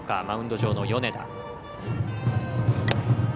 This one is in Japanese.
マウンド上の米田。